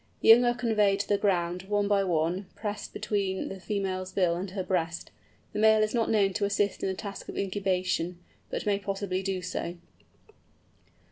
The young are conveyed to the ground, one by one, pressed between the female's bill and her breast. The male is not known to assist in the task of incubation, but may possibly do so.